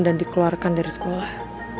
dan dikeluarkan dari sekolah